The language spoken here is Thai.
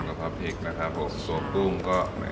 กับพริกนะครับสวบปุ้งก็